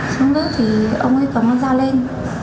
xuống đất thì ông ấy cầm nó ra lên